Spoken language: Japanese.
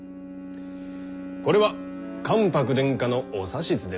これは関白殿下のお指図でもある。